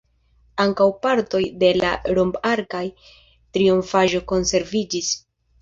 Ankaŭ partoj de la romp-arkaj trionfaĵo konserviĝis.